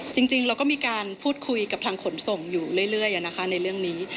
จริงเราก็มีการพูดคุยกับทางขนส่งอยู่เรื่อยในเรื่องนี้